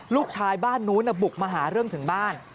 ลูกชายบ้านนู้นบุกมาหาเรื่องถึงบ้าน